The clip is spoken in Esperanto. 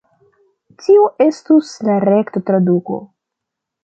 Tio estus la rekta traduko